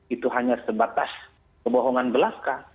itu hanya sebatas kebohongan belas kan